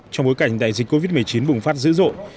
trong bối cảnh đại dịch covid một mươi chín bùng phát dữ dội